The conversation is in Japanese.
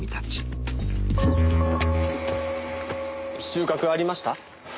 収穫ありました？